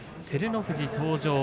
照ノ富士登場。